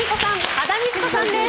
羽田美智子さんです。